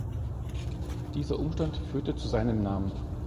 Dieser Umstand führte zu seinem Namen.